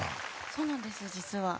そうなんですよ、実は。